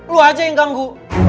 lo aja yang ganggu